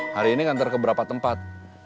hari ini kantor keberapa tempat